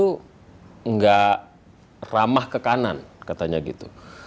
ketika anda menjawabnya bapak itu tidak ramah ke kanan katanya gitu